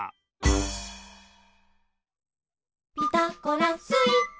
「ピタゴラスイッチ」